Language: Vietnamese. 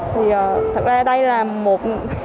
thì thật ra đây là một